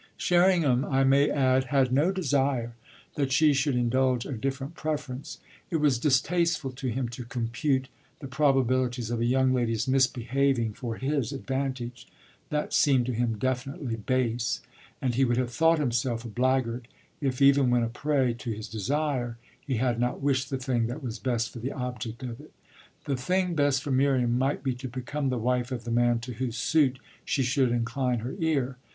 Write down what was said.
Sherringham, I may add, had no desire that she should indulge a different preference: it was distasteful to him to compute the probabilities of a young lady's misbehaving for his advantage that seemed to him definitely base and he would have thought himself a blackguard if, even when a prey to his desire, he had not wished the thing that was best for the object of it. The thing best for Miriam might be to become the wife of the man to whose suit she should incline her ear.